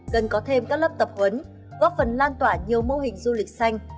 cần có thêm các lớp tập huấn góp phần lan tỏa nhiều mô hình du lịch xanh